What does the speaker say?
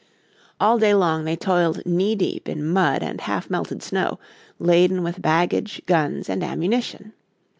All day long they toiled knee deep in mud and half melted snow, laden with baggage, guns and ammunition.